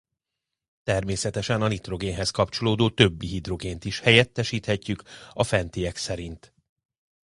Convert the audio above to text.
Természetesen a nitrogénhez kapcsolódó többi hidrogént is helyettesíthetjük a fentiek szerint.